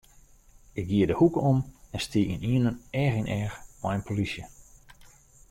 Ik gie de hoeke om en stie ynienen each yn each mei in polysje.